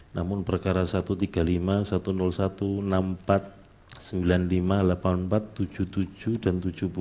namun perkara satu ratus tiga puluh lima satu ratus satu enam puluh empat sembilan puluh lima delapan puluh empat tujuh puluh tujuh dan tujuh puluh empat